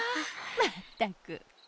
まったく！